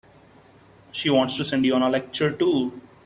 She wants to send you on a lecture tour.